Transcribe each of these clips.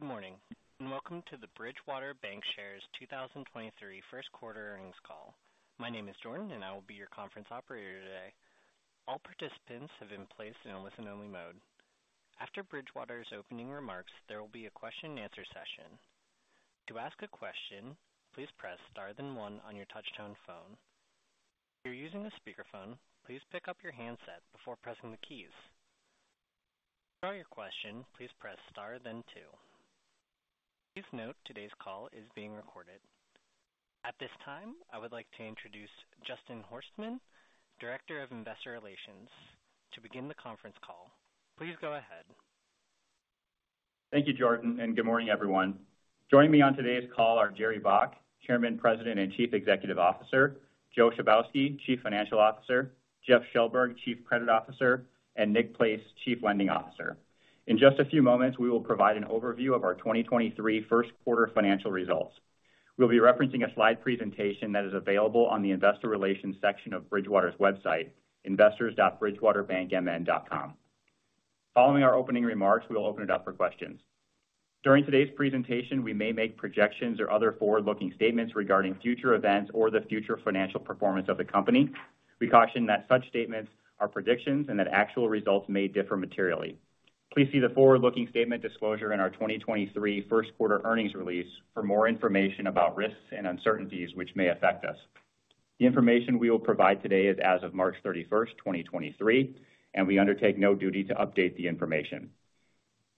Good morning, welcome to the Bridgewater Bancshares 2023 first quarter earnings call. My name is Jordan, I will be your conference operator today. All participants have been placed in a listen-only mode. After Bridgewater's opening remarks, there will be a question and answer session. To ask a question, please press star then one on your touchtone phone. If you're using a speakerphone, please pick up your handset before pressing the keys. To withdraw your question, please press star then two. Please note today's call is being recorded. At this time, I would like to introduce Justin Horstman, Director of Investor Relations, to begin the conference call. Please go ahead. Thank you, Jordan, and good morning, everyone. Joining me on today's call are Jerry Baack, Chairman, President, and Chief Executive Officer; Joe Chybowski, Chief Financial Officer; Jeff Shellberg, Chief Credit Officer; and Nick Place, Chief Lending Officer. In just a few moments, we will provide an overview of our 2023 1st quarter financial results. We'll be referencing a slide presentation that is available on the investor relations section of Bridgewater's website, investors.bridgewaterbankmn.com. Following our opening remarks, we will open it up for questions. During today's presentation, we may make projections or other forward-looking statements regarding future events or the future financial performance of the company. We caution that such statements are predictions and that actual results may differ materially. Please see the forward-looking statement disclosure in our 2023 1st quarter earnings release for more information about risks and uncertainties which may affect us. The information we will provide today is as of March 31, 2023, and we undertake no duty to update the information.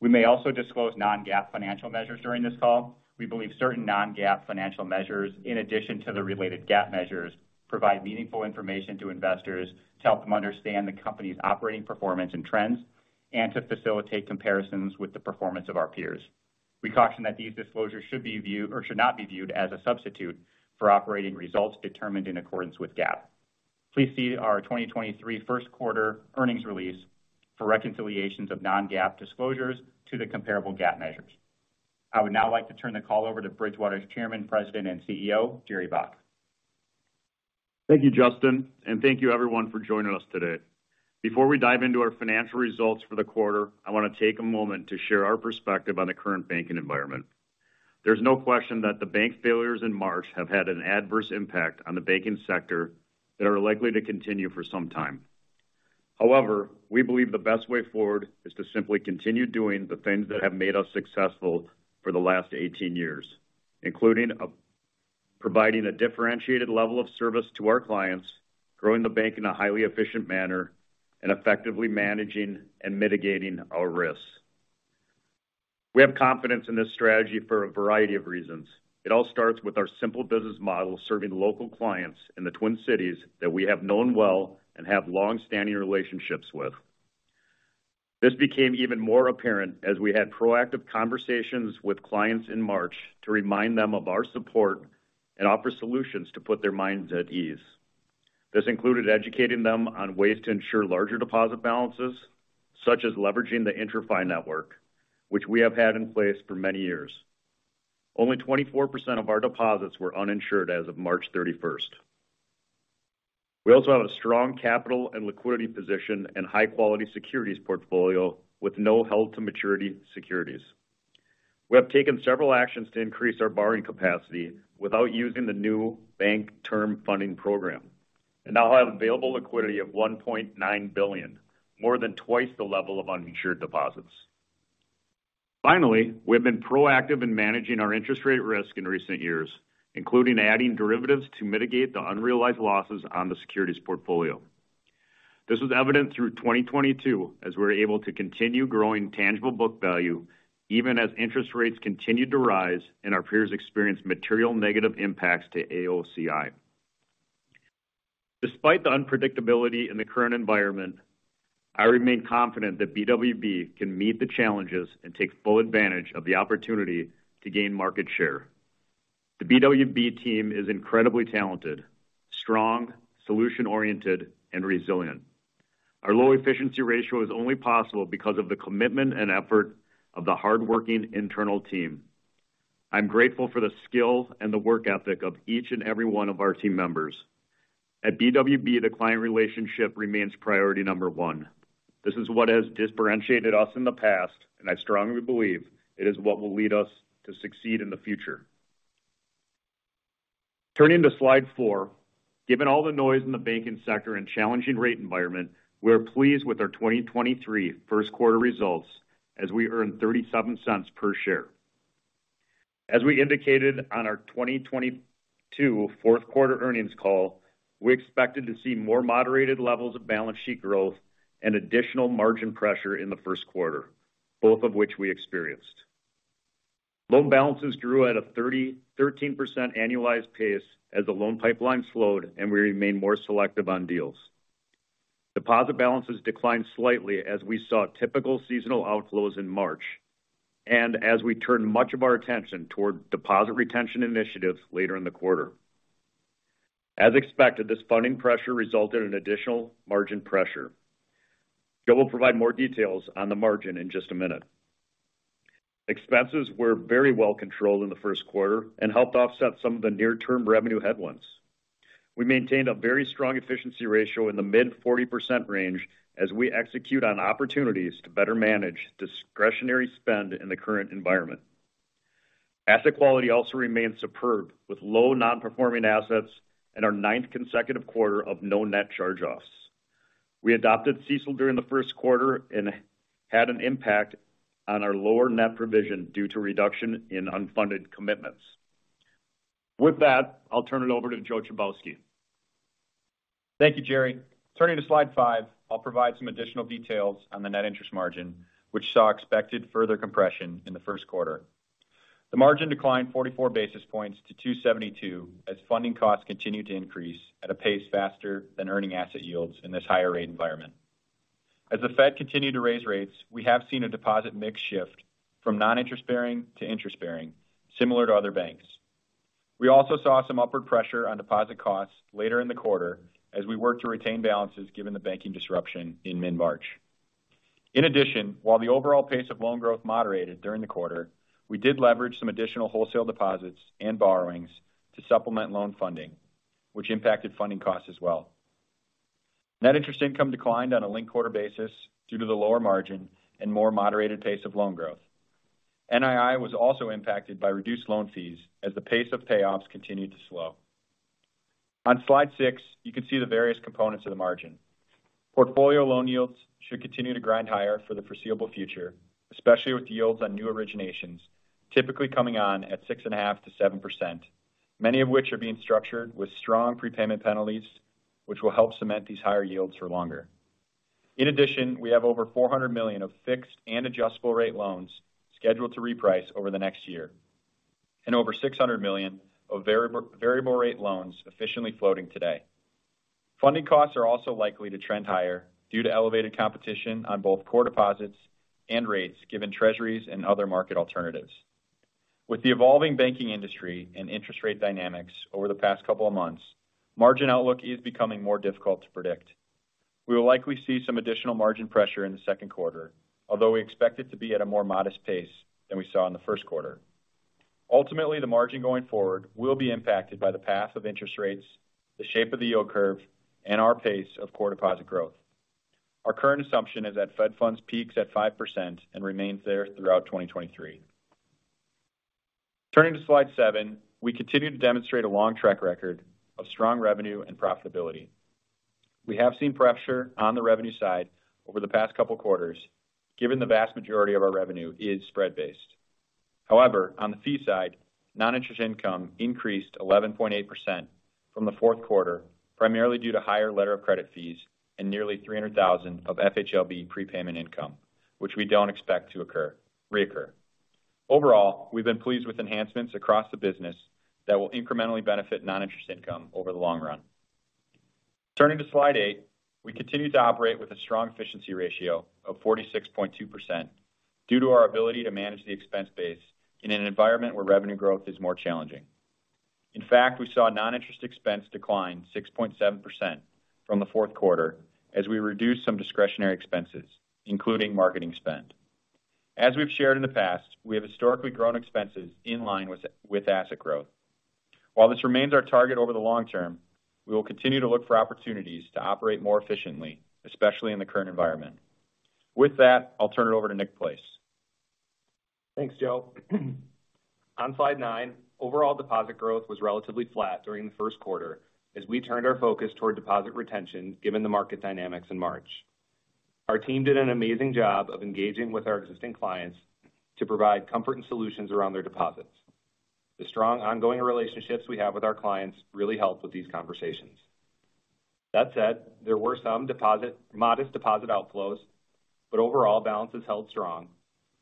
We may also disclose non-GAAP financial measures during this call. We believe certain non-GAAP financial measures, in addition to the related GAAP measures, provide meaningful information to investors to help them understand the company's operating performance and trends and to facilitate comparisons with the performance of our peers. We caution that these disclosures should not be viewed as a substitute for operating results determined in accordance with GAAP. Please see our 2023 first quarter earnings release for reconciliations of non-GAAP disclosures to the comparable GAAP measures. I would now like to turn the call over to Bridgewater's Chairman, President, and CEO, Jerry Baack. Thank you, Justin, and thank you everyone for joining us today. Before we dive into our financial results for the quarter, I wanna take a moment to share our perspective on the current banking environment. There's no question that the bank failures in March have had an adverse impact on the banking sector that are likely to continue for some time. We believe the best way forward is to simply continue doing the things that have made us successful for the last 18 years, including, providing a differentiated level of service to our clients, growing the bank in a highly efficient manner and effectively managing and mitigating our risks. We have confidence in this strategy for a variety of reasons. It all starts with our simple business model serving local clients in the Twin Cities that we have known well and have long-standing relationships with. This became even more apparent as we had proactive conversations with clients in March to remind them of our support and offer solutions to put their minds at ease. This included educating them on ways to ensure larger deposit balances, such as leveraging the IntraFi network, which we have had in place for many years. Only 24% of our deposits were uninsured as of March 31st. We also have a strong capital and liquidity position and high-quality securities portfolio with no hold-to-maturity securities. We have taken several actions to increase our borrowing capacity without using the new Bank Term Funding Program and now have available liquidity of $1.9 billion, more than twice the level of uninsured deposits. Finally, we have been proactive in managing our interest rate risk in recent years, including adding derivatives to mitigate the unrealized losses on the securities portfolio. This was evident through 2022 as we were able to continue growing tangible book value even as interest rates continued to rise and our peers experienced material negative impacts to AOCI. Despite the unpredictability in the current environment, I remain confident that BWB can meet the challenges and take full advantage of the opportunity to gain market share. The BWB team is incredibly talented, strong, solution-oriented and resilient. Our low efficiency ratio is only possible because of the commitment and effort of the hardworking internal team. I'm grateful for the skill and the work ethic of each and every one of our team members. At BWB, the client relationship remains priority number one. This is what has differentiated us in the past, and I strongly believe it is what will lead us to succeed in the future. Turning to Slide 4. Given all the noise in the banking sector and challenging rate environment, we are pleased with our 2023 first quarter results as we earned $0.37 per share. As we indicated on our 2022 fourth quarter earnings call, we expected to see more moderated levels of balance sheet growth and additional margin pressure in the first quarter, both of which we experienced. Loan balances grew at a 13% annualized pace as the loan pipeline slowed and we remained more selective on deals. Deposit balances declined slightly as we saw typical seasonal outflows in March, and as we turned much of our attention toward deposit retention initiatives later in the quarter. As expected, this funding pressure resulted in additional margin pressure. Joe will provide more details on the margin in just a minute. Expenses were very well controlled in the first quarter and helped offset some of the near-term revenue headwinds. We maintained a very strong efficiency ratio in the mid-40% range as we execute on opportunities to better manage discretionary spend in the current environment. Asset quality also remains superb, with low non-performing assets and our ninth consecutive quarter of no net charge-offs. We adopted CECL during the first quarter and had an impact on our lower net provision due to reduction in unfunded commitments. With that, I'll turn it over to Joe Chybowski. Thank you, Jerry. Turning to Slide 5, I'll provide some additional details on the net interest margin, which saw expected further compression in the first quarter. The margin declined 44 basis points to 2.72% as funding costs continued to increase at a pace faster than earning asset yields in this higher rate environment. As the Fed continued to raise rates, we have seen a deposit mix shift from non-interest bearing to interest bearing, similar to other banks. We also saw some upward pressure on deposit costs later in the quarter as we worked to retain balances given the banking disruption in mid-March. In addition, while the overall pace of loan growth moderated during the quarter, we did leverage some additional wholesale deposits and borrowings to supplement loan funding, which impacted funding costs as well. Net interest income declined on a linked quarter basis due to the lower margin and more moderated pace of loan growth. NII was also impacted by reduced loan fees as the pace of payoffs continued to slow. On Slide 6, you can see the various components of the margin. Portfolio loan yields should continue to grind higher for the foreseeable future, especially with yields on new originations typically coming on at 6.5%-7%, many of which are being structured with strong prepayment penalties, which will help cement these higher yields for longer. In addition, we have over $400 million of fixed and adjustable rate loans scheduled to reprice over the next year and over $600 million of variable rate loans efficiently floating today. Funding costs are also likely to trend higher due to elevated competition on both core deposits and rates given Treasuries and other market alternatives. With the evolving banking industry and interest rate dynamics over the past couple of months, margin outlook is becoming more difficult to predict. We will likely see some additional margin pressure in the second quarter, although we expect it to be at a more modest pace than we saw in the first quarter. Ultimately, the margin going forward will be impacted by the path of interest rates, the shape of the yield curve, and our pace of core deposit growth. Our current assumption is that Fed Funds peaks at 5% and remains there throughout 2023. Turning to Slide 7. We continue to demonstrate a long track record of strong revenue and profitability. We have seen pressure on the revenue side over the past couple quarters, given the vast majority of our revenue is spread-based. On the fee side, non-interest income increased 11.8% from the fourth quarter, primarily due to higher letter of credit fees and nearly $300,000 of FHLB prepayment income, which we don't expect to reoccur. We've been pleased with enhancements across the business that will incrementally benefit non-interest income over the long run. Turning to Slide 8. We continue to operate with a strong efficiency ratio of 46.2% due to our ability to manage the expense base in an environment where revenue growth is more challenging. We saw non-interest expense decline 6.7% from the fourth quarter as we reduced some discretionary expenses, including marketing spend. As we've shared in the past, we have historically grown expenses in line with asset growth. While this remains our target over the long term, we will continue to look for opportunities to operate more efficiently, especially in the current environment. With that, I'll turn it over to Nick Place. Thanks, Joe. On Slide 9, overall deposit growth was relatively flat during the 1st quarter as we turned our focus toward deposit retention given the market dynamics in March. Our team did an amazing job of engaging with our existing clients to provide comfort and solutions around their deposits. The strong ongoing relationships we have with our clients really helped with these conversations. That said, there were some modest deposit outflows, but overall balances held strong.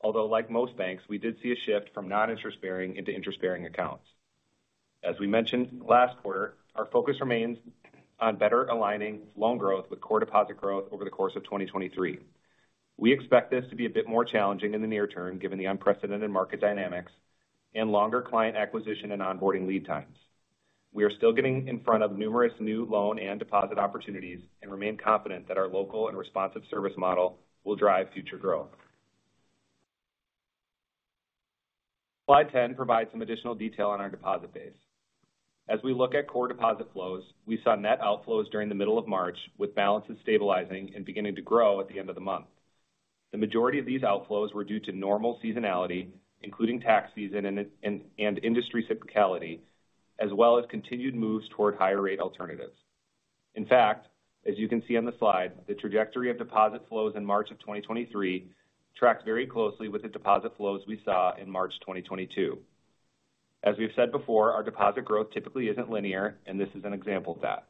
Although like most banks, we did see a shift from non-interest bearing into interest-bearing accounts. As we mentioned last quarter, our focus remains on better aligning loan growth with core deposit growth over the course of 2023. We expect this to be a bit more challenging in the near term, given the unprecedented market dynamics and longer client acquisition and onboarding lead times. We are still getting in front of numerous new loan and deposit opportunities and remain confident that our local and responsive service model will drive future growth. Slide 10 provides some additional detail on our deposit base. As we look at core deposit flows, we saw net outflows during the middle of March, with balances stabilizing and beginning to grow at the end of the month. The majority of these outflows were due to normal seasonality, including tax season and industry cyclicality, as well as continued moves toward higher rate alternatives. In fact, as you can see on the slide, the trajectory of deposit flows in March of 2023 tracked very closely with the deposit flows we saw in March 2022. As we've said before, our deposit growth typically isn't linear, and this is an example of that.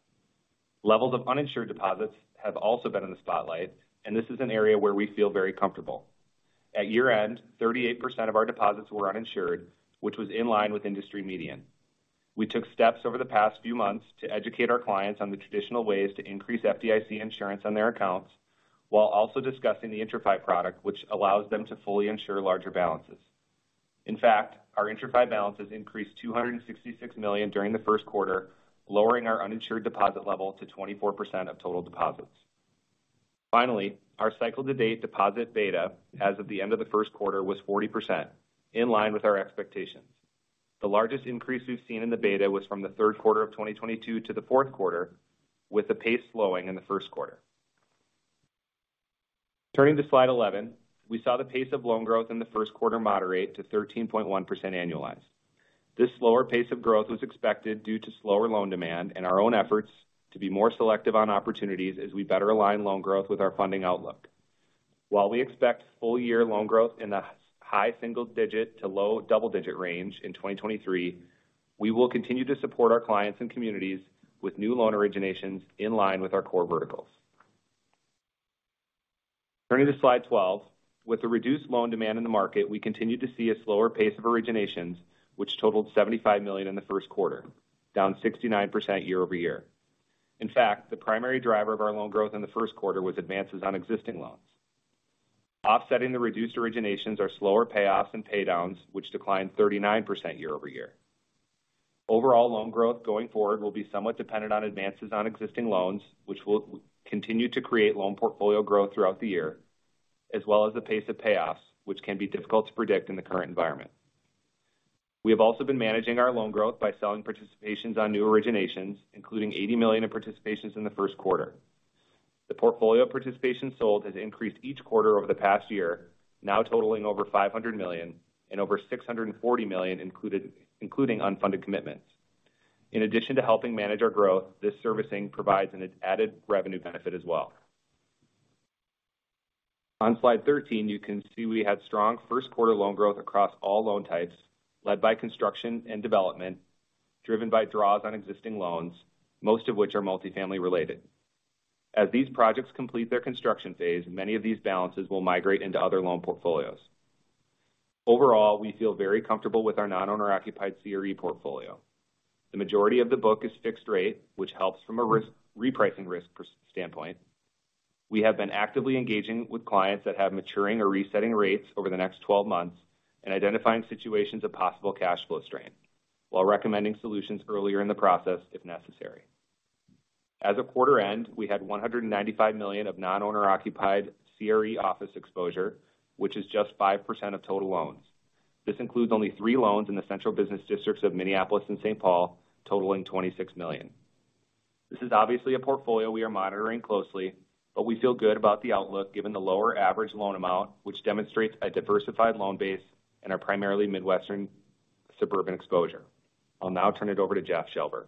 Levels of uninsured deposits have also been in the spotlight, and this is an area where we feel very comfortable. At year-end, 38% of our deposits were uninsured, which was in line with industry median. We took steps over the past few months to educate our clients on the traditional ways to increase FDIC insurance on their accounts while also discussing the IntraFi product, which allows them to fully insure larger balances. In fact, our IntraFi balances increased $266 million during the first quarter, lowering our uninsured deposit level to 24% of total deposits. Finally, our cycle to date deposit beta as of the end of the first quarter was 40% in line with our expectations. The largest increase we've seen in the beta was from the third quarter of 2022 to the fourth quarter, with the pace slowing in the first quarter. Turning to Slide 11. We saw the pace of loan growth in the first quarter moderate to 13.1% annualized. This slower pace of growth was expected due to slower loan demand and our own efforts to be more selective on opportunities as we better align loan growth with our funding outlook. While we expect full year loan growth in the high single-digit to low double-digit range in 2023, we will continue to support our clients and communities with new loan originations in line with our core verticals. Turning to Slide 12. With the reduced loan demand in the market, we continue to see a slower pace of originations, which totaled $75 million in the first quarter, down 69% year-over-year. In fact, the primary driver of our loan growth in the first quarter was advances on existing loans. Offsetting the reduced originations are slower payoffs and pay downs, which declined 39% year-over-year. Overall loan growth going forward will be somewhat dependent on advances on existing loans, which will continue to create loan portfolio growth throughout the year, as well as the pace of payoffs, which can be difficult to predict in the current environment. We have also been managing our loan growth by selling participations on new originations, including $80 million in participations in the first quarter. The portfolio of participation sold has increased each quarter over the past year, now totaling over $500 million and over $640 million included, including unfunded commitments. In addition to helping manage our growth, this servicing provides an added revenue benefit as well. On Slide 13, you can see we had strong first quarter loan growth across all loan types, led by construction and development, driven by draws on existing loans, most of which are multifamily related. As these projects complete their construction phase, many of these balances will migrate into other loan portfolios. Overall, we feel very comfortable with our non-owner-occupied CRE portfolio. The majority of the book is fixed rate, which helps from a repricing risk standpoint. We have been actively engaging with clients that have maturing or resetting rates over the next 12 months and identifying situations of possible cash flow strain while recommending solutions earlier in the process if necessary. As of quarter end, we had $195 million of non-owner-occupied CRE office exposure, which is just 5% of total loans. This includes only three loans in the central business districts of Minneapolis and St. Paul, totaling $26 million. This is obviously a portfolio we are monitoring closely, but we feel good about the outlook given the lower average loan amount, which demonstrates a diversified loan base and our primarily Midwestern suburban exposure. I'll now turn it over to Jeff Shellberg.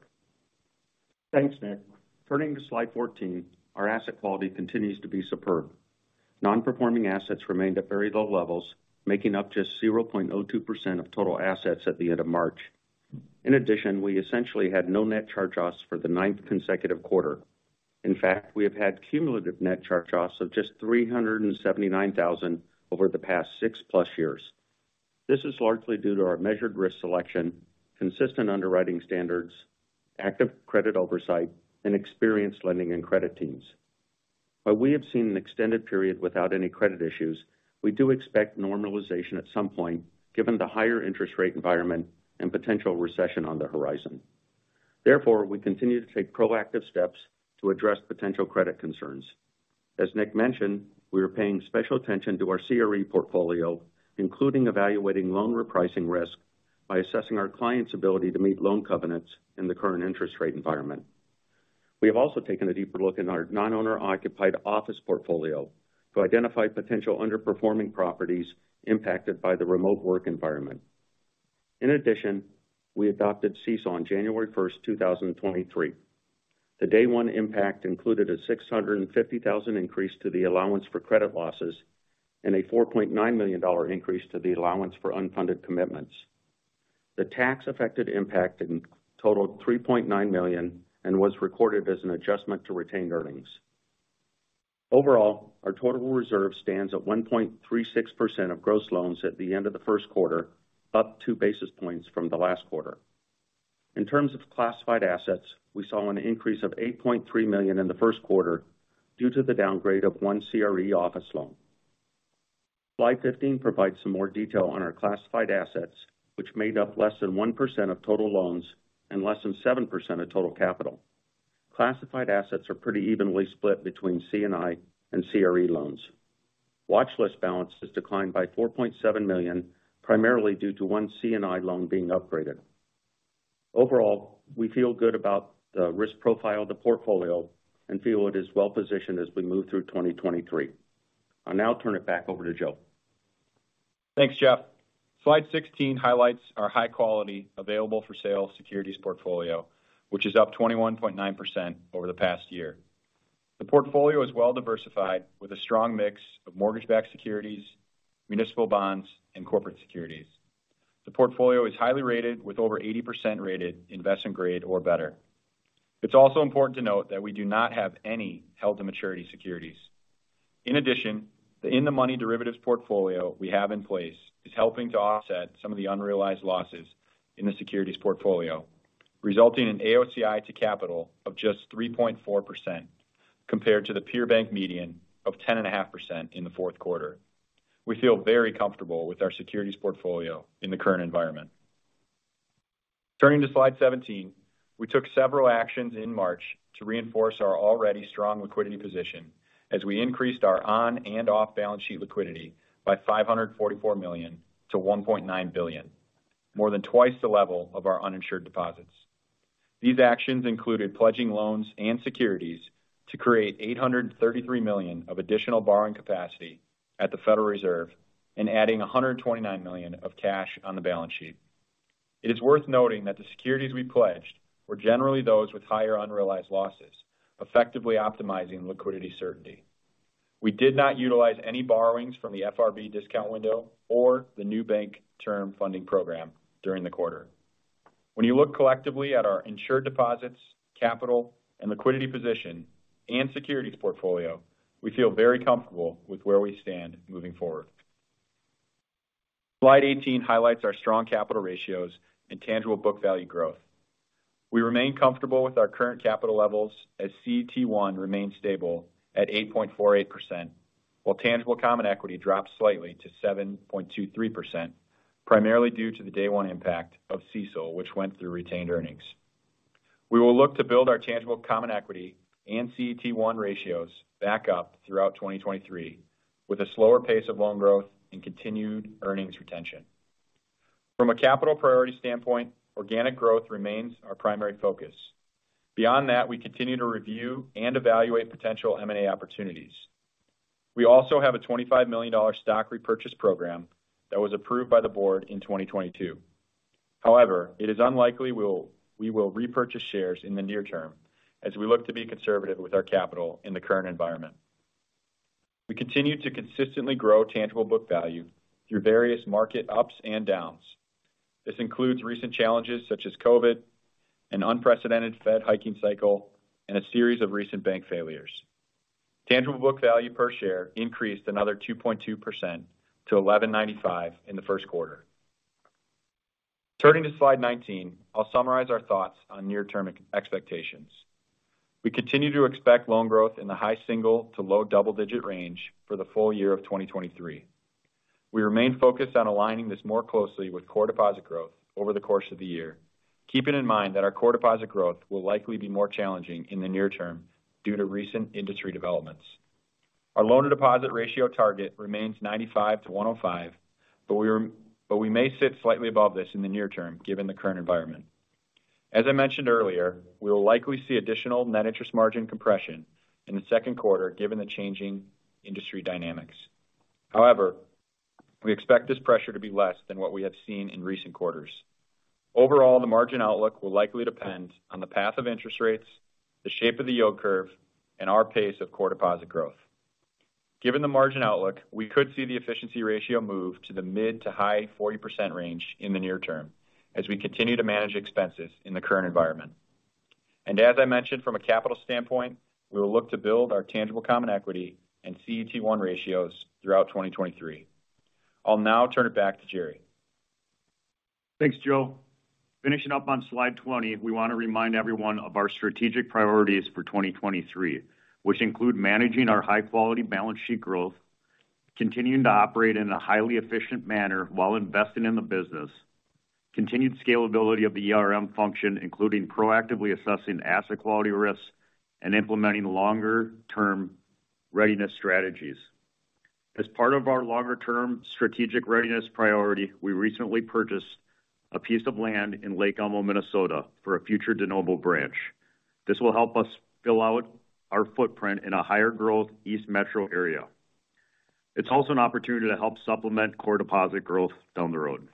Thanks, Nick. Turning to Slide 14. Our asset quality continues to be superb. Non-performing assets remained at very low levels, making up just 0.02% of total assets at the end of March. In addition, we essentially had no net charge-offs for the ninth consecutive quarter. In fact, we have had cumulative net charge-offs of just $379,000 over the past 6+ years. This is largely due to our measured risk selection, consistent underwriting standards, active credit oversight, and experienced lending and credit teams. While we have seen an extended period without any credit issues, we do expect normalization at some point, given the higher interest rate environment and potential recession on the horizon. We continue to take proactive steps to address potential credit concerns. As Nick mentioned, we are paying special attention to our CRE portfolio, including evaluating loan repricing risk by assessing our clients' ability to meet loan covenants in the current interest rate environment. We have also taken a deeper look in our non-owner-occupied office portfolio to identify potential underperforming properties impacted by the remote work environment. In addition, we adopted CECL on January 1, 2023. The day one impact included a $650,000 increase to the allowance for credit losses and a $4.9 million increase to the allowance for unfunded commitments. The tax affected impact totaled $3.9 million and was recorded as an adjustment to retained earnings. Overall, our total reserve stands at 1.36% of gross loans at the end of the first quarter, up 2 basis points from the last quarter. In terms of classified assets, we saw an increase of $8.3 million in the first quarter due to the downgrade of one CRE office loan. Slide 15 provides some more detail on our classified assets, which made up less than 1% of total loans and less than 7% of total capital. Classified assets are pretty evenly split between C&I and CRE loans. Watch list balance has declined by $4.7 million, primarily due to one C&I loan being upgraded. Overall, we feel good about the risk profile of the portfolio and feel it is well positioned as we move through 2023. I'll now turn it back over to Joe. Thanks, Jeff. Slide 16 highlights our high quality available for sale securities portfolio, which is up 21.9% over the past year. The portfolio is well diversified with a strong mix of mortgage-backed securities, municipal bonds, and corporate securities. The portfolio is highly rated with over 80% rated investment grade or better. It's also important to note that we do not have any held to maturity securities. The in-the-money derivatives portfolio we have in place is helping to offset some of the unrealized losses in the securities portfolio, resulting in AOCI to capital of just 3.4% compared to the peer bank median of 10.5% in the fourth quarter. We feel very comfortable with our securities portfolio in the current environment. Turning to Slide 17. We took several actions in March to reinforce our already strong liquidity position as we increased our on and off balance sheet liquidity by $544 million-$1.9 billion, more than twice the level of our uninsured deposits. These actions included pledging loans and securities to create $833 million of additional borrowing capacity at the Federal Reserve and adding $129 million of cash on the balance sheet. It is worth noting that the securities we pledged were generally those with higher unrealized losses, effectively optimizing liquidity certainty. We did not utilize any borrowings from the FRB discount window or the new Bank Term Funding Program during the quarter. When you look collectively at our insured deposits, capital and liquidity position and securities portfolio, we feel very comfortable with where we stand moving forward. Slide 18 highlights our strong capital ratios and tangible book value growth. We remain comfortable with our current capital levels as CET1 remains stable at 8.48%, while tangible common equity drops slightly to 7.23%, primarily due to the day one impact of CECL, which went through retained earnings. We will look to build our tangible common equity and CET1 ratios back up throughout 2023 with a slower pace of loan growth and continued earnings retention. From a capital priority standpoint, organic growth remains our primary focus. Beyond that, we continue to review and evaluate potential M&A opportunities. We also have a $25 million stock repurchase program that was approved by the board in 2022. However, it is unlikely we will repurchase shares in the near term as we look to be conservative with our capital in the current environment. We continue to consistently grow tangible book value through various market ups and downs. This includes recent challenges such as COVID, an unprecedented Fed hiking cycle, and a series of recent bank failures. Tangible book value per share increased another 2.2% to $11.95 in the first quarter. Turning to Slide 19. I'll summarize our thoughts on near-term expectations. We continue to expect loan growth in the high single to low double-digit range for the full year of 2023. We remain focused on aligning this more closely with core deposit growth over the course of the year. Keeping in mind that our core deposit growth will likely be more challenging in the near term due to recent industry developments. Our loan to deposit ratio target remains 95-105, but we may sit slightly above this in the near term given the current environment. As I mentioned earlier, we will likely see additional net interest margin compression in the 2Q given the changing industry dynamics. However, we expect this pressure to be less than what we have seen in recent quarters. Overall, the margin outlook will likely depend on the path of interest rates, the shape of the yield curve, and our pace of core deposit growth. Given the margin outlook, we could see the efficiency ratio move to the mid to high 40% range in the near term as we continue to manage expenses in the current environment. As I mentioned from a capital standpoint, we will look to build our tangible common equity and CET1 ratios throughout 2023. I'll now turn it back to Jerry. Thanks, Joe. Finishing up on Slide 20, we want to remind everyone of our strategic priorities for 2023, which include managing our high-quality balance sheet growth, continuing to operate in a highly efficient manner while investing in the business. Continued scalability of the ERM function, including proactively assessing asset quality risks and implementing longer-term readiness strategies. As part of our longer-term strategic readiness priority, we recently purchased a piece of land in Lake Elmo, Minnesota for a future de novo branch. This will help us fill out our footprint in a higher growth East Metro area. It's also an opportunity to help supplement core deposit growth down the road.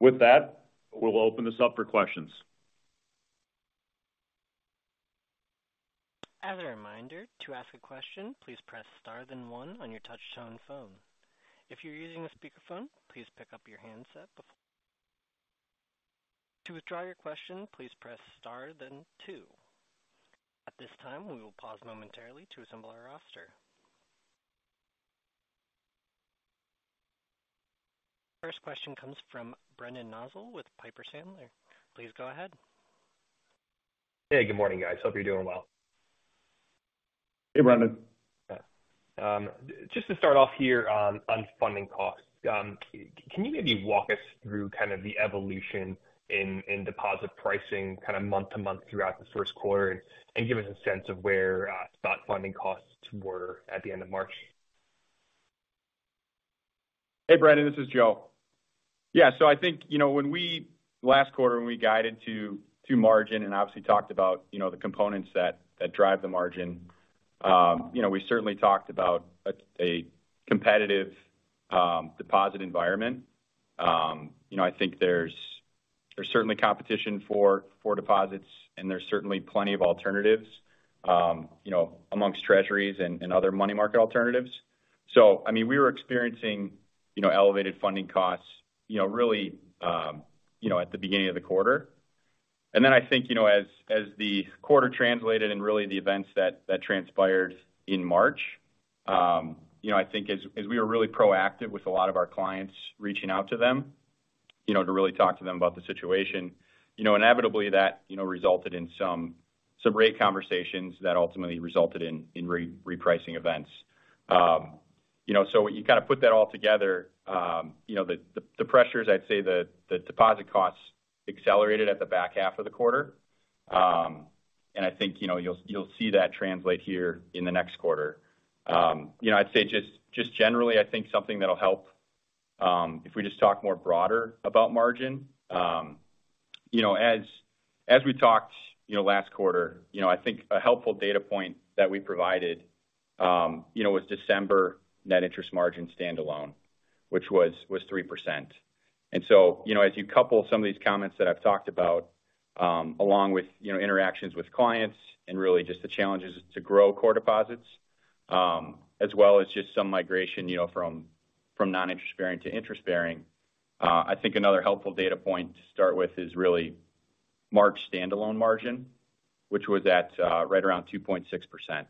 With that, we'll open this up for questions. As a reminder, to ask a question, please press star then one on your touchtone phone. If you're using a speakerphone, please pick up your handset before. To withdraw your question, please press star then two. At this time, we will pause momentarily to assemble our roster. First question comes from Brendan Nosal with Piper Sandler. Please go ahead. Hey, good morning, guys. Hope you're doing well. Hey, Brendan. Just to start off here on funding costs, can you maybe walk us through kind of the evolution in deposit pricing kind of month to month throughout the first quarter and give us a sense of where spot funding costs were at the end of March? Hey, Brendan, this is Joe. Yeah. I think, you know, last quarter when we guided to margin and obviously talked about, you know, the components that drive the margin, you know, we certainly talked about a competitive deposit environment. You know, I think there's certainly competition for deposits and there's certainly plenty of alternatives, you know, amongst Treasuries and other money market alternatives. I mean, we were experiencing, you know, elevated funding costs, you know, really at the beginning of the quarter. I think, you know, as the quarter translated and really the events that transpired in March, you know, I think as we were really proactive with a lot of our clients reaching out to them, you know, to really talk to them about the situation. You know, inevitably that, you know, resulted in some rate conversations that ultimately resulted in re-repricing events. You know, you kind of put that all together, you know, the pressures, I'd say the deposit costs accelerated at the back half of the quarter. I think, you know, you'll see that translate here in the next quarter. You know, I'd say just generally, I think something that'll help, if we just talk more broader about margin, you know, as we talked, you know, last quarter, you know, I think a helpful data point that we provided, you know, was December net interest margin standalone, which was 3%. You know, as you couple some of these comments that I've talked about, along with, you know, interactions with clients and really just the challenges to grow core deposits, as well as just some migration, you know, from non-interest-bearing to interest-bearing. I think another helpful data point to start with is really March standalone margin, which was at right around 2.6%.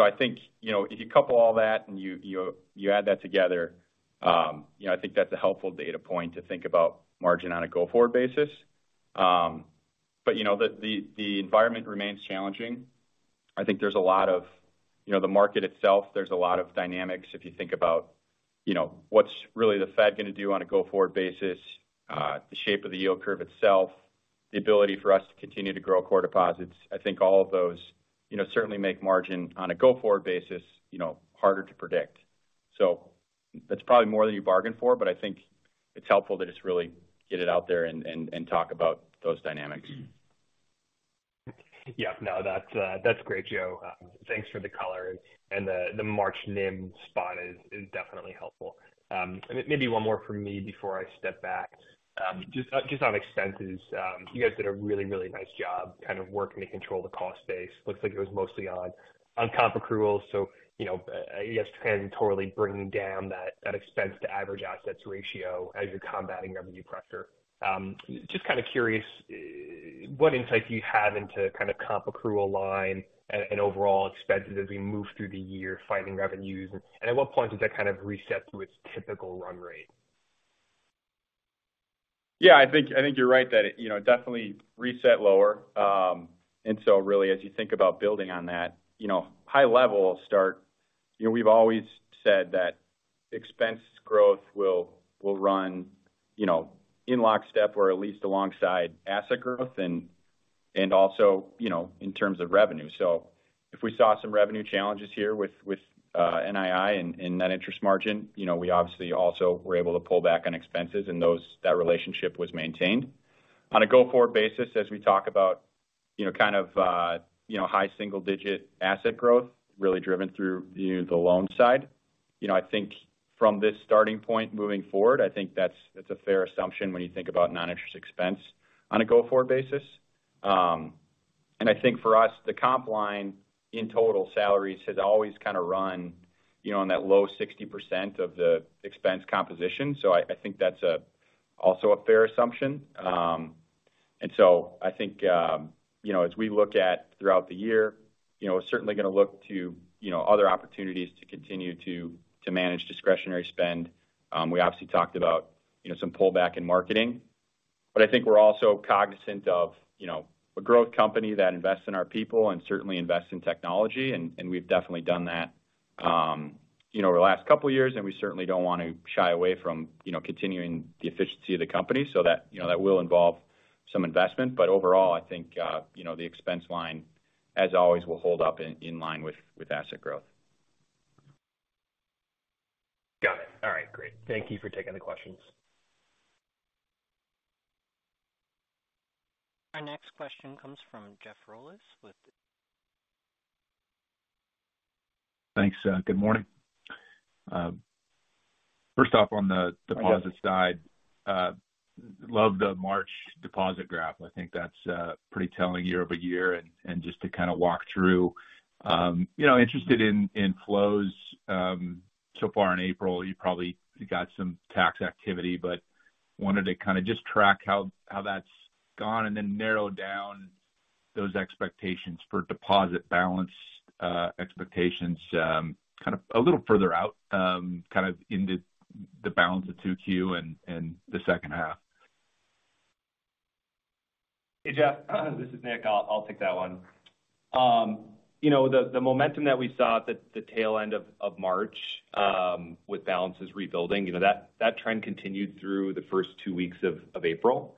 I think, you know, if you couple all that and you add that together, you know, I think that's a helpful data point to think about margin on a go-forward basis. You know, the environment remains challenging. I think there's a lot of, you know, the market itself, there's a lot of dynamics if you think about, you know, what's really the Fed going to do on a go-forward basis, the shape of the yield curve itself, the ability for us to continue to grow core deposits. I think all of those, you know, certainly make margin on a go-forward basis, you know, harder to predict. That's probably more than you bargained for, but I think it's helpful to just really get it out there and, and talk about those dynamics. Yeah. No, that's great, Joe. Thanks for the color and the March NIM spot is definitely helpful. Maybe one more from me before I step back. Just on expenses. You guys did a really nice job kind of working to control the cost base. Looks like it was mostly on comp accrual. You know, I guess, transitorily bringing down that expense-to-average-assets ratio as you're combating revenue pressure. Just kind of curious, what insight do you have into kind of comp accrual line and overall expenses as we move through the year fighting revenues? At what point does that kind of reset to its typical run rate? Yeah, I think you're right that it, you know, definitely reset lower. Really as you think about building on that, you know, high level start, you know, we've always said that expense growth will run, you know, in lockstep or at least alongside asset growth and also, you know, in terms of revenue. If we saw some revenue challenges here with NII and net interest margin, you know, we obviously also were able to pull back on expenses and that relationship was maintained. On a go-forward basis, as we talk about, you know, kind of, you know, high single-digit asset growth really driven through, you know, the loan side. You know, I think from this starting point moving forward, I think that's a fair assumption when you think about non-interest expense on a go-forward basis. I think for us, the comp line in total salaries has always kind of run, you know, on that low 60% of the expense composition. I think that's also a fair assumption. I think, you know, as we look at throughout the year, you know, certainly going to look to, you know, other opportunities to continue to manage discretionary spend. We obviously talked about, you know, some pullback in marketing. I think we're also cognizant of, you know, a growth company that invests in our people and certainly invests in technology. And we've definitely done that, you know, over the last couple of years, and we certainly don't want to shy away from, you know, continuing the efficiency of the company. That, you know, that will involve some investment. Overall, I think, you know, the expense line, as always, will hold up in line with asset growth. Got it. All right. Great. Thank you for taking the questions. Our next question comes from Jeff Rulis with. Thanks. Good morning. First off, on the deposits side. Love the March deposit graph. I think that's pretty telling year-over-year. Just to kind of walk through, you know, interested in flows, so far in April. You probably got some tax activity, but wanted to kind of just track how that's gone and then narrow down those expectations for deposit balance, expectations, kind of a little further out, kind of into the balance of 2Q and the second half. Hey, Jeff, this is Nick. I'll take that one. You know, the momentum that we saw at the tail end of March, with balances rebuilding, you know, that trend continued through the first two weeks of April.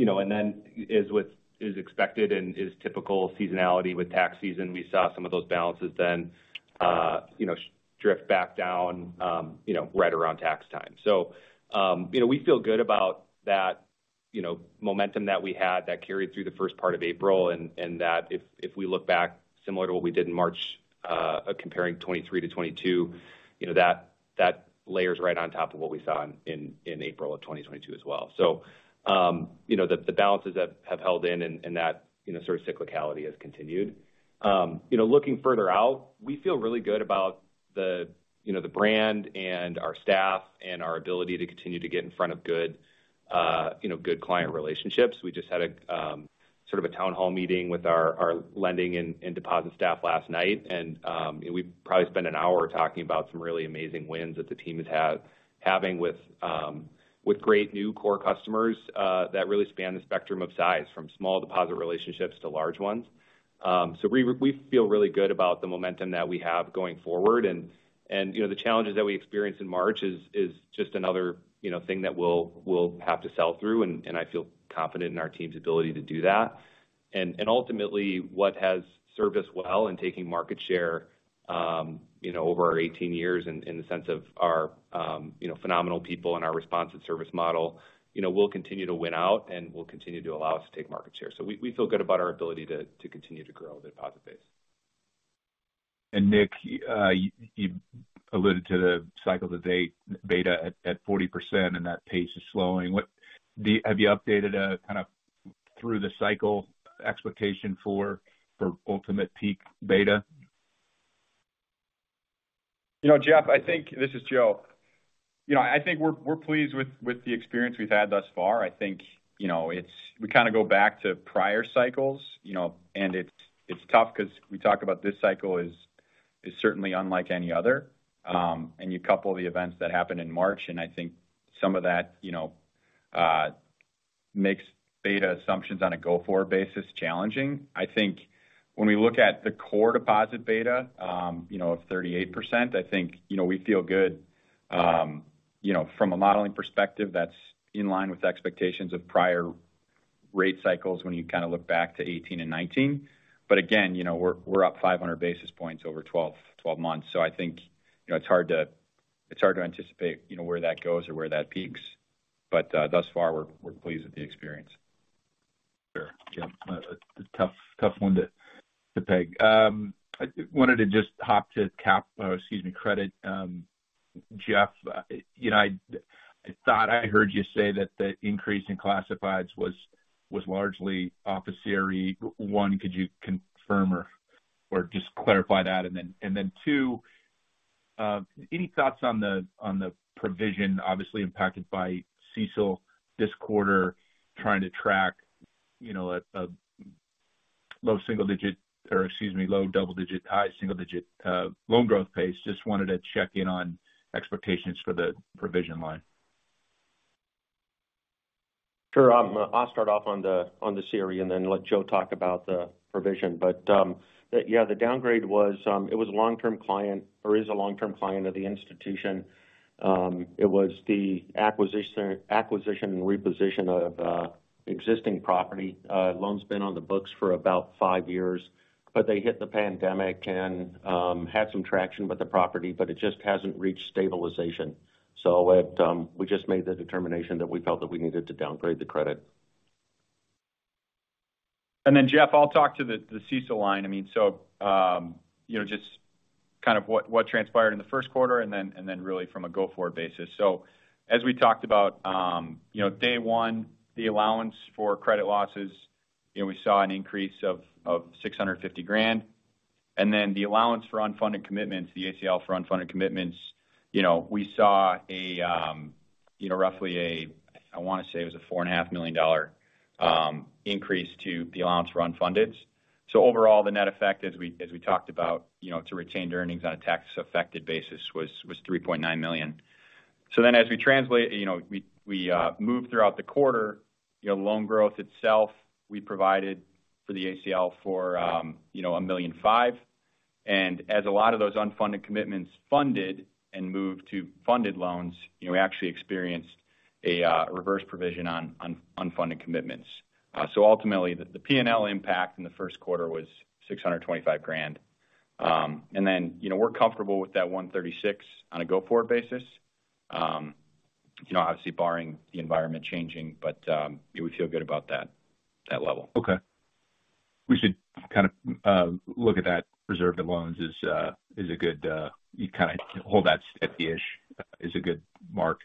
You know, and then as with is expected and is typical seasonality with tax season, we saw some of those balances then, you know, drift back down, you know, right around tax time. You know, we feel good about that, you know, momentum that we had that carried through the first part of April, and that if we look back similar to what we did in March, comparing 2023 to 2022, you know, that layers right on top of what we saw in April of 2022 as well. You know, the balances have held in and that, you know, sort of cyclicality has continued. You know, looking further out, we feel really good about the, you know, the brand and our staff and our ability to continue to get in front of good client relationships. We just had a sort of a town hall meeting with our lending and deposit staff last night, and, you know, we probably spent an hour talking about some really amazing wins that the team has having with great new core customers that really span the spectrum of size from small deposit relationships to large ones. We feel really good about the momentum that we have going forward. You know, the challenges that we experienced in March is just another, you know, thing that we'll have to sell through, and I feel confident in our team's ability to do that. Ultimately, what has served us well in taking market share, you know, over our 18 years in the sense of our, you know, phenomenal people and our responsive service model, you know, will continue to win out and will continue to allow us to take market share. We feel good about our ability to continue to grow the deposit base. Nick, you alluded to the cycle to date beta at 40% and that pace is slowing. Have you updated a kind of through the cycle expectation for ultimate peak beta? You know, Jeff, I think. This is Joe. You know, I think we're pleased with the experience we've had thus far. I think, you know, we kind of go back to prior cycles, you know, and it's tough because we talk about this cycle is certainly unlike any other. You couple the events that happened in March, and I think some of that, you know, makes deposit beta assumptions on a go-forward basis challenging. I think when we look at the core deposit beta, you know, of 38%, I think, you know, we feel good. You know, from a modeling perspective, that's in line with expectations of prior rate cycles when you kind of look back to 2018 and 2019. Again, you know, we're up 500 basis points over 12 months. I think, you know, it's hard to anticipate, you know, where that goes or where that peaks. Thus far, we're pleased with the experience. Sure. Yeah. A tough one to peg. I wanted to just hop to credit. Jeff, you know, I thought I heard you say that the increase in classifieds was largely off a CRE. One, could you confirm or just clarify that? Two, any thoughts on the provision obviously impacted by CECL this quarter trying to track, you know, a low single digit-- or excuse me, low double digit, high single digit, loan growth pace? Just wanted to check in on expectations for the provision line. Sure. I'll start off on the, on the CRE and then let Joe talk about the provision. Yeah, the downgrade was, it was a long-term client or is a long-term client of the institution. It was the acquisition and reposition of existing property. Loan's been on the books for about five years, but they hit the pandemic and had some traction with the property, but it just hasn't reached stabilization. It, we just made the determination that we felt that we needed to downgrade the credit. Jeff, I'll talk to the CECL line. I mean, just kind of what transpired in the first quarter and really from a go-forward basis. As we talked about, day one, the allowance for credit losses, we saw an increase of $650,000. The allowance for unfunded commitments, the ACL for unfunded commitments, we saw roughly a $4.5 million increase to the allowance for unfundeds. Overall, the net effect as we talked about to retained earnings on a tax affected basis was $3.9 million. As we translate, you know, we move throughout the quarter, you know, loan growth itself, we provided for the ACL for, you know, $1.5 million. As a lot of those unfunded commitments funded and moved to funded loans, you know, we actually experienced a reverse provision on unfunded commitments. Ultimately, the P&L impact in the first quarter was $625,000. You know, we're comfortable with that 136 on a go-forward basis. You know, obviously barring the environment changing, but we feel good about that level. Okay. We should kind of, look at that reserve to loans as a good, you kind of hold that steady-ish is a good mark.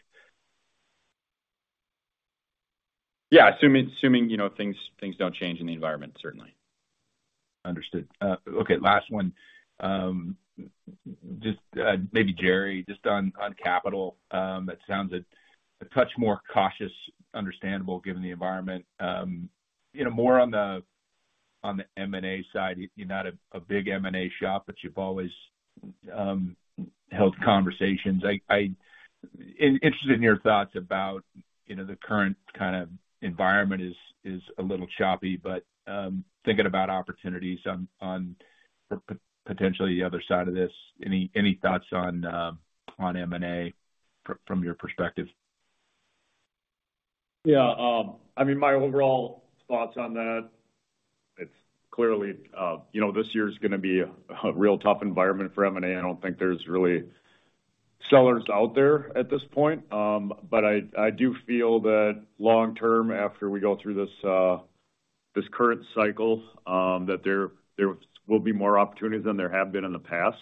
Yeah. Assuming, you know, things don't change in the environment, certainly. Understood. Okay, last one. Just, maybe Jerry, just on capital. It sounds a touch more cautious. Understandable given the environment. You know, more on the M&A side. You're not a big M&A shop, but you've always held conversations. Interested in your thoughts about, you know, the current kind of environment is a little choppy, but thinking about opportunities on potentially the other side of this. Any thoughts on M&A from your perspective? Yeah. I mean, my overall thoughts on that, it's clearly, you know, this year is gonna be a real tough environment for M&A. I don't think there's really sellers out there at this point. I do feel that long term after we go through this current cycle, that there will be more opportunities than there have been in the past,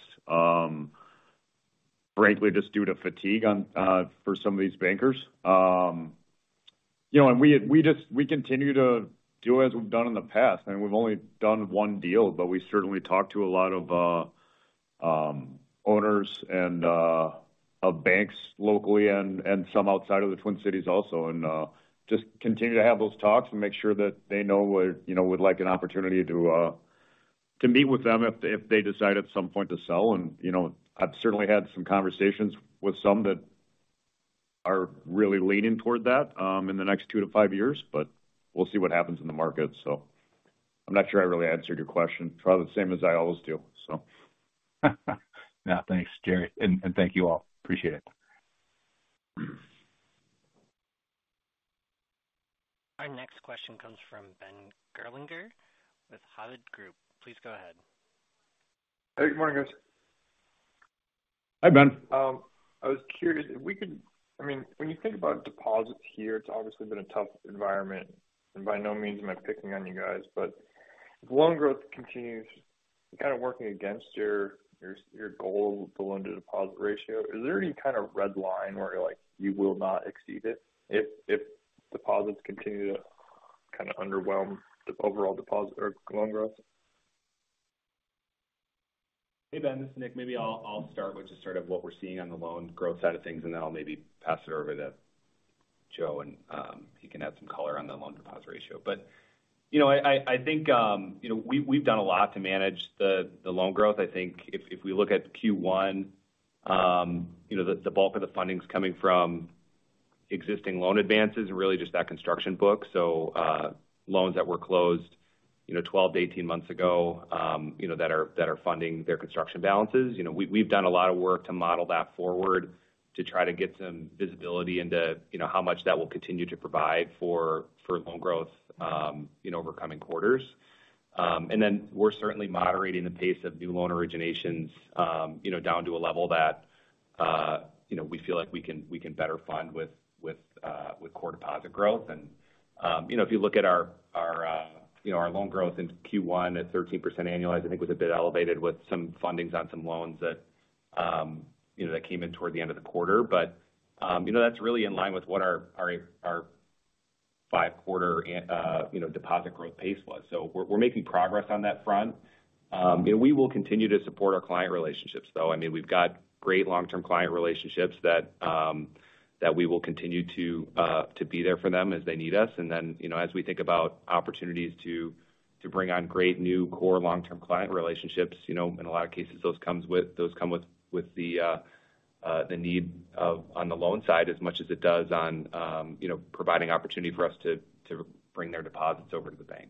frankly, just due to fatigue on, for some of these bankers. You know, we continue to do as we've done in the past, and we've only done one deal, but we certainly talked to a lot of owners and of banks locally and some outside of the Twin Cities also. Just continue to have those talks and make sure that they know we're, you know, would like an opportunity to meet with them if they decide at some point to sell. You know, I've certainly had some conversations with some that are really leaning toward that in the next two to five years, but we'll see what happens in the market. I'm not sure I really answered your question. Probably the same as I always do, so. No, thanks, Jerry. Thank you all. Appreciate it. Our next question comes from Ben Gerlinger with Hovde Group. Please go ahead. Hey, good morning, guys. Hi, Ben. I mean, when you think about deposits here, it's obviously been a tough environment. By no means am I picking on you guys, but if loan growth continues kind of working against your goal with the loan to deposit ratio, is there any kind of red line where you're like, you will not exceed it if deposits continue to kind of underwhelm the overall deposit or loan growth? Hey, Ben, this is Nick. Maybe I'll start with just sort of what we're seeing on the loan growth side of things, I'll maybe pass it over to Joe and he can add some color on the loan deposit ratio. You know, I think, you know, we've done a lot to manage the loan growth. I think if we look at Q1, you know, the bulk of the funding's coming from existing loan advances and really just that construction book. Loans that were closed, you know, 12-18 months ago, you know, that are funding their construction balances. You know, we've done a lot of work to model that forward to try to get some visibility into, you know, how much that will continue to provide for loan growth, you know, over coming quarters. Then we're certainly moderating the pace of new loan originations, you know, down to a level that, you know, we feel like we can, we can better fund with core deposit growth. You know, if you look at our, you know, our loan growth in Q1 at 13% annualized, I think was a bit elevated with some fundings on some loans that, you know, that came in toward the end of the quarter. You know, that's really in line with what our, our 5-quarter, you know, deposit growth pace was. We're making progress on that front. We will continue to support our client relationships, though. I mean, we've got great long-term client relationships that we will continue to be there for them as they need us. Then, you know, as we think about opportunities to bring on great new core long-term client relationships, you know, in a lot of cases, those come with the need of on the loan side as much as it does on, you know, providing opportunity for us to bring their deposits over to the bank.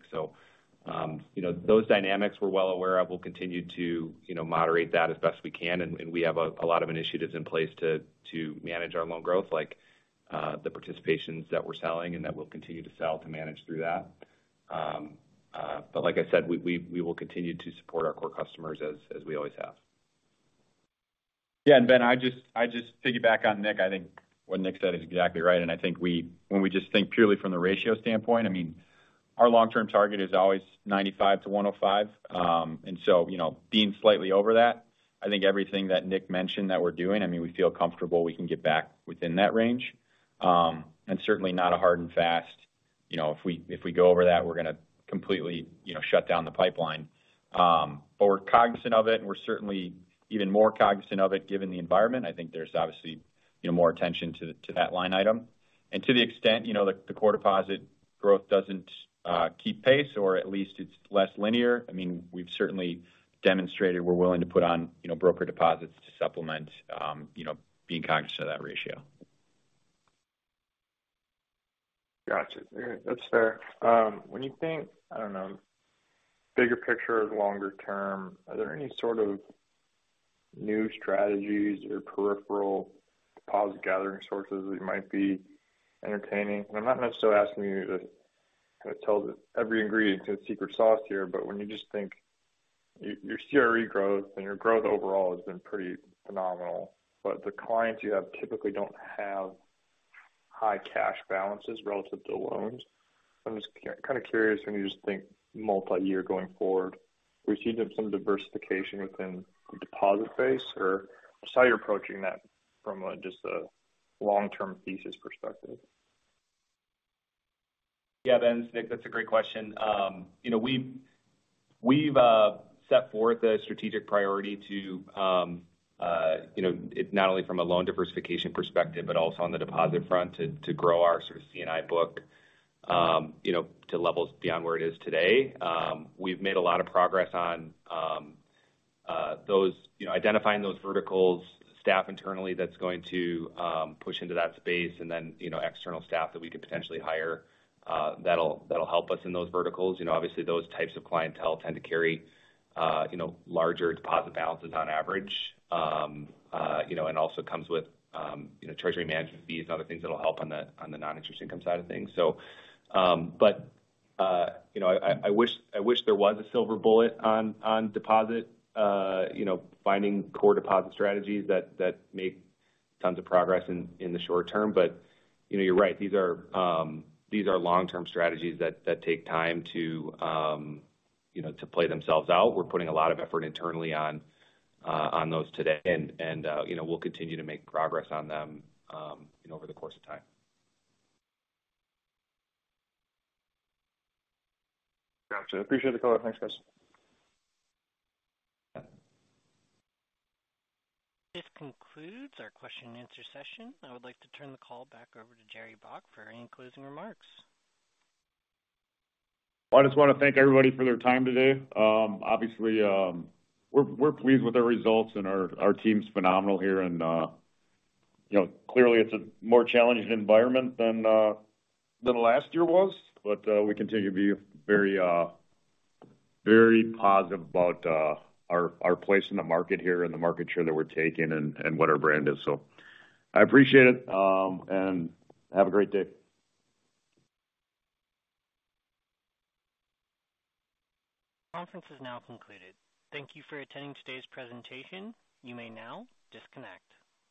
You know, those dynamics we're well aware of. We'll continue to, you know, moderate that as best we can. We have a lot of initiatives in place to manage our loan growth, like, the participations that we're selling and that we'll continue to sell to manage through that. Like I said, we will continue to support our core customers as we always have. Ben, I just piggyback on Nick. I think what Nick said is exactly right. I think when we just think purely from the ratio standpoint, I mean, our long-term target is always 95-105. You know, being slightly over that, I think everything that Nick mentioned that we're doing, I mean, we feel comfortable we can get back within that range. Certainly not a hard and fast, you know, if we go over that, we're gonna completely, you know, shut down the pipeline. We're cognizant of it, and we're certainly even more cognizant of it given the environment. I think there's obviously, you know, more attention to that line item. To the extent, you know, the core deposit growth doesn't keep pace or at least it's less linear, I mean, we've certainly demonstrated we're willing to put on, you know, broker deposits to supplement, you know, being conscious of that ratio. Gotcha. That's fair. when you think, I don't know, bigger picture, longer term, are there any sort of new strategies or peripheral deposit gathering sources that you might be entertaining? I'm not necessarily asking you to kind of tell the every ingredient to the secret sauce here, but when you just think your CRE growth and your growth overall has been pretty phenomenal, but the clients you have typically don't have high cash balances relative to loans. I'm just kind of curious when you just think multi-year going forward, are we seeing some diversification within the deposit base? Or just how you're approaching that from a long-term thesis perspective. Yeah. Ben, it's Nick. That's a great question. you know, we've set forth a strategic priority to, you know, it's not only from a loan diversification perspective, but also on the deposit front to grow our sort of C&I book, you know, to levels beyond where it is today. We've made a lot of progress on, those, you know, identifying those verticals, staff internally that's going to push into that space and then, you know, external staff that we could potentially hire, that'll help us in those verticals. You know, obviously, those types of clientele tend to carry, you know, larger deposit balances on average. you know, and also comes with, you know, treasury management fees and other things that'll help on the, on the non-interest income side of things. You know, I wish, I wish there was a silver bullet on deposit, you know, finding core deposit strategies that make tons of progress in the short term. You know, you're right. These are long-term strategies that take time to, you know, to play themselves out. We're putting a lot of effort internally on those today. You know, we'll continue to make progress on them, you know, over the course of time. Gotcha. Appreciate the color. Thanks, guys. This concludes our question and answer session. I would like to turn the call back over to Jerry Baack for any closing remarks. I just want to thank everybody for their time today. Obviously, we're pleased with our results and our team's phenomenal here and, you know, clearly it's a more challenging environment than last year was. We continue to be very, very positive about our place in the market here and the market share that we're taking and what our brand is. I appreciate it, and have a great day. Conference is now concluded. Thank you for attending today's presentation. You may now disconnect.